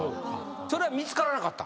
それは見つからなかった？